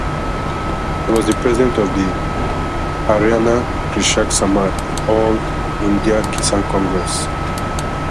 He was the president of the Haryana Krishak Samaj and All India Kisan Congress.